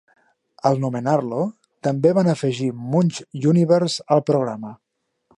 Al nomenar-lo, també van afegir Munch Universe al programa.